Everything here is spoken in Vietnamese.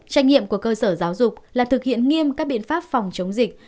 trách nhiệm của cơ sở giáo dục là thực hiện nghiêm các biện pháp phòng chống dịch